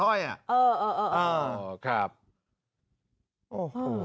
เออเออเออครับโอ้เฮ้อ